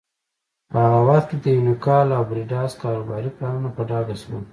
په هغه وخت کې د یونیکال او بریډاس کاروباري پلانونه په ډاګه شول.